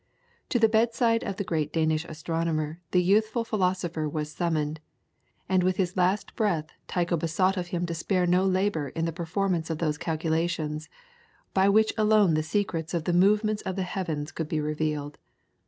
To the bedside of the great Danish astronomer the youthful philosopher was summoned, and with his last breath Tycho besought of him to spare no labour in the performance of those calculations, by which alone the secrets of the movements of the heavens could be revealed.